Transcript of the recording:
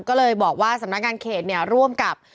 ก็เลยบอกว่าสำนักงานเขตร่วมกับ